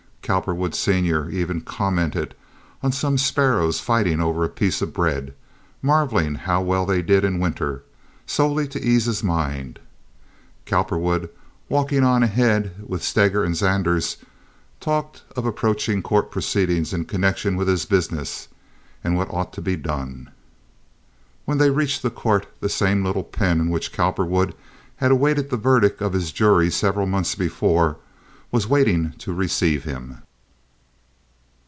Cowperwood, senior, even commented on some sparrows fighting over a piece of bread, marveling how well they did in winter, solely to ease his mind. Cowperwood, walking on ahead with Steger and Zanders, talked of approaching court proceedings in connection with his business and what ought to be done. When they reached the court the same little pen in which Cowperwood had awaited the verdict of his jury several months before was waiting to receive him.